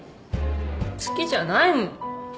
好きじゃないもん。